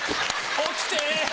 起きて！